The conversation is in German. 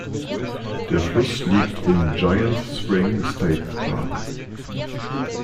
Der Fluss liegt im Giant Spring State Park.